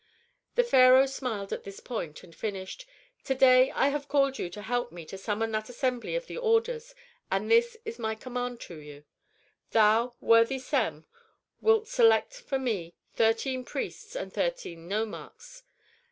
The pharaoh smiled at this point, and finished, "To day I have called you to help me to summon that assembly of the orders, and this is my command to you: "Thou, worthy Sem, wilt select for me thirteen priests and thirteen nomarchs.